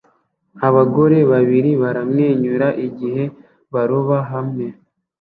Abagore babiri baramwenyura igihe baroba hamwe